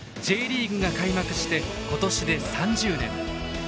Ｊリーグが開幕して今年で３０年。